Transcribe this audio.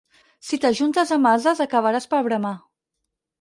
Si t'ajuntes amb ases acabaràs per bramar.